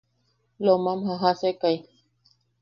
Lomam jajasekai.